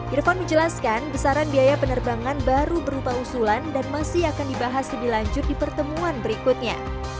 irfan menjelaskan besaran biaya penerbangan baru berupa usulan dan masih akan dibahas lebih lanjut di pertemuan berikutnya